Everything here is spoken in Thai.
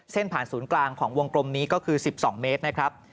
ผ่านศูนย์กลางของวงกลมนี้ก็คือ๑๒เมตรนะครับ